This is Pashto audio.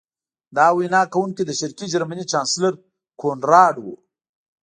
دا وینا کوونکی د شرقي جرمني چانسلر کونراډ و